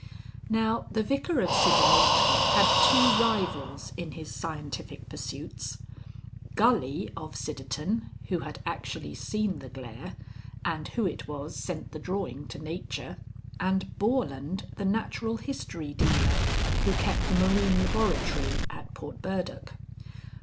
Now, the Vicar of Siddermorton had two rivals in his scientific pursuits; Gully of Sidderton, who had actually seen the glare, and who it was sent the drawing to Nature, and Borland the natural history dealer, who kept the marine laboratory at Portburdock.